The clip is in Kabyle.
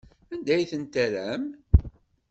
Anda ay ten-terram?